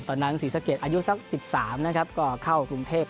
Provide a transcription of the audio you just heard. ตอนนั้นศรีสะเกอร์อายุสักสิบสามก็เข้ากรุงเทพฯ